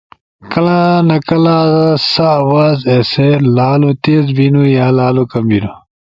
کلہ نہ کلہ سا آواز ایسے لالو تیز بیںنپو یا لالو کم بینُو